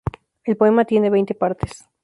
El poema tiene veinte partes.